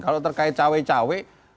kalau terkait cawek cawek ya